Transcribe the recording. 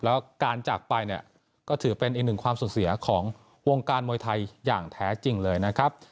แล้วการจากไปเนี่ยก็ถือเป็นอีกหนึ่งความสูญเสียของวงการมวยไทยอย่างแท้จริงเลยนะครับ